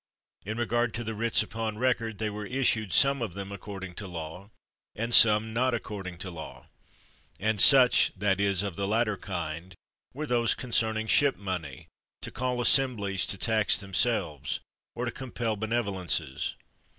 In regard to the writs upon record, they were issued some of them according to law, and some not according to law; and such (that is, of the latter kind) were those concerning ship money, to call assem blies to tax themselves, or to compel benevolences.